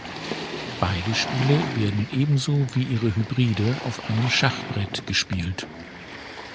Beide Spiele werden ebenso wie ihre Hybride auf einem Schachbrett gespielt.